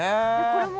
これも。